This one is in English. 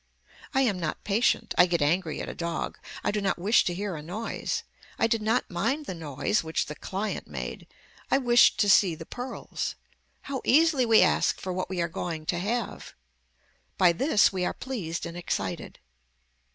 I am not patient. I get angry at a dog. I do not wish to hear a noise. I did not mind the noise which the client made. I wished to see the pearls. How easily we ask for what we are going to have. By this we are pleased and excited.